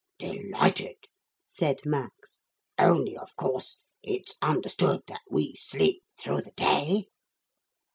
'Delighted!' said Max; 'only, of course, it's understood that we sleep through the day?'